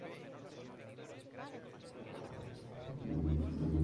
Realizó importantísimas operaciones.